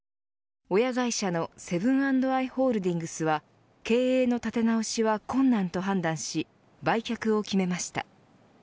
親会社のセブン＆アイ・ホールディングスは経営の立て直しは困難と判断し売却を決めました。